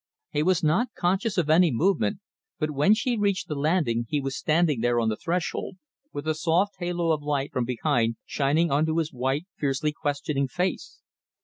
He was not conscious of any movement, but when she reached the landing he was standing there on the threshold, with the soft halo of light from behind shining on to his white, fiercely questioning face.